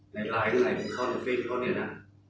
ในลายของเขาเนี่ยนะ